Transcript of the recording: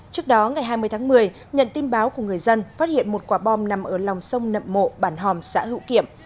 trước đó ngày hai mươi tháng một mươi nhận tin báo của người dân phát hiện một quả bom nằm ở lòng sông nậm mộ bản hòm xã hữu kiệm